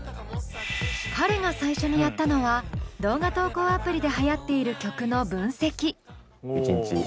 彼が最初にやったのは動画投稿アプリではやっている曲の分析。